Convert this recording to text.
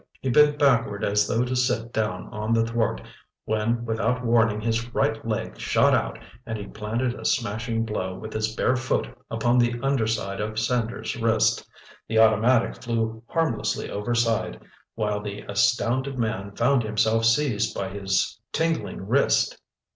He bent backward as though to sit down on the thwart, when without warning his right leg shot out and he planted a smashing blow with his bare foot upon the under side of Sander's wrist. The automatic flew harmlessly overside, while the astounded man found himself seized by his tingling wrist.